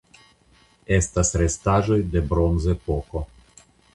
Estas restaĵoj de Bronzepoko.